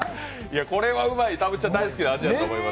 これはうまい、たぶっちゃん大好きな味だと思います。